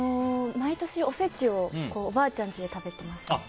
毎年おせちをおばあちゃんちで食べています。